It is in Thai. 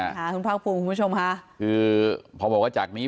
โอ้โหนิคคุณพักพุธรูปชมค่ะคือพอบอกว่าจากนี้